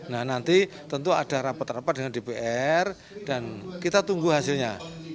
nah nanti tentu ada rapat rapat dengan dpr dan kita tunggu hasilnya